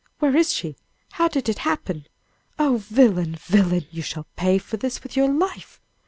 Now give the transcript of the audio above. Where is she? How did it happen? Oh! villain! villain! you shall pay for this with your life!